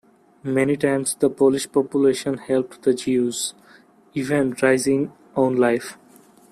Many times, the Polish population helped the Jews, even rising own life.